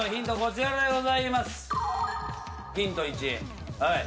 ヒント１。